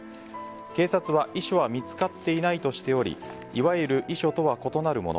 警察は、遺書は見つかっていないとしておりいわゆる遺書とは異なるもの。